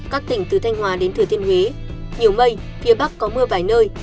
các tỉnh từ thanh hòa đến thừa thiên huế nhiều mây phía bắc có mưa vài nơi